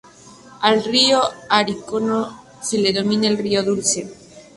Al río Orinoco se le denomina "río Dulce".